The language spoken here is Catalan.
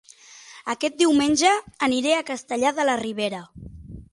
Aquest diumenge aniré a Castellar de la Ribera